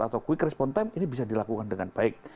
atau quick respon time ini bisa dilakukan dengan baik